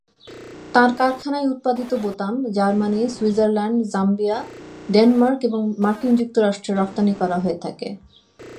তাঁর কারখানায় উৎপাদিত বোতাম জার্মানি, সুইজারল্যান্ড, জাম্বিয়া, ডেনমার্ক এবং মার্কিন যুক্তরাষ্ট্রে রফতানি করা হয়ে থাকে।